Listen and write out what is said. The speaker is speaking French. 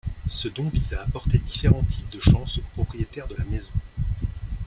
Ce don vise à apporter différents types de chance au propriétaire de la maison.